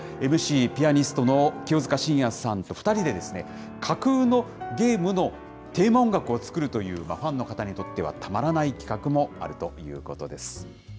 ＭＣ、ピアニストの清塚信也さんと２人で、架空のゲームのテーマ音楽を作るという、ファンの方にとってはたまらない企画もあるということです。